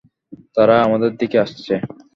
তারা আমাদের দিকে আসছে।